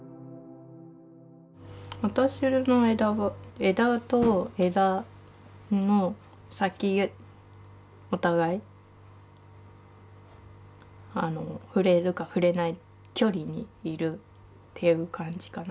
私の枝は枝と枝の先お互いあの触れるか触れない距離にいるっていう感じかな。